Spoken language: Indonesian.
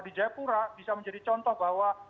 di jayapura bisa menjadi contoh bahwa